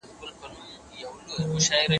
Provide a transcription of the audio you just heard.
زه به پلان جوړ کړی وي،